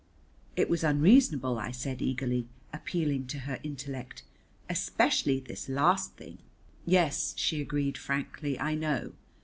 "It was unreasonable," I said eagerly, appealing to her intellect. "Especially this last thing." "Yes," she agreed frankly, "I know."